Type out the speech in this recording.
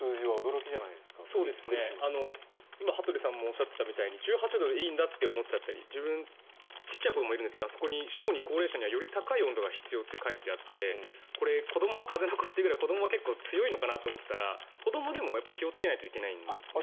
今、羽鳥さんもおっしゃっていたみたいに１８度でいいんだと思っちゃったり自分、小さい子どもがいるんですがそこに小児・高齢者にはより高い温度が必要って書いてあって子どもは風の子というぐらいだから子どもは結構強いのかなと思っていたら子どもでも気をつけなければいけないんですね。